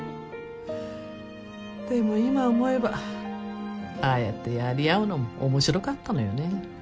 でも今思えばああやってやり合うのも面白かったのよね。